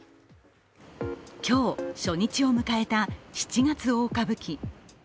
今日、初日を迎えた「七月大歌舞伎」。